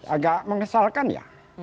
agak mengesalkan ya